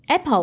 êp họ uống